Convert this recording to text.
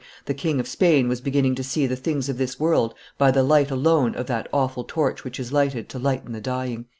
"The King of Spain was beginning to see the, things of this world by the light alone of that awful torch which is lighted to lighten the dying."